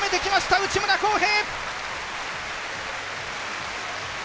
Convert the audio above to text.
内村航平！